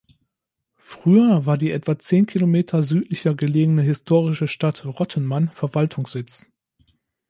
Früher war die etwa zehn Kilometer südlicher gelegene historische Stadt Rottenmann Verwaltungssitz.